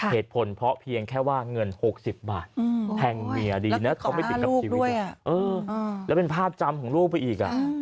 เหตุผลเพราะเพียงแค่ว่าเงิน๖๐บาทแพงเมียดีนะแล้วเป็นภาพจำของลูกไปอีกอ่ะ